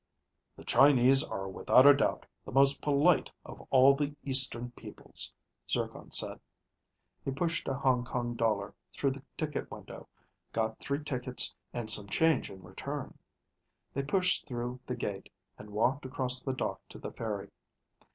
"The Chinese are without a doubt the most polite of all the Eastern peoples," Zircon said. He pushed a Hong Kong dollar through the ticket window, got three tickets and some change in return. They pushed through the gate and walked across the dock to the ferry.